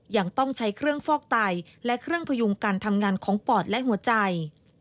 ยังต้องใช้เครื่องฟอกไตและเครื่องพยุงการทำงานของปอดและหัวใจ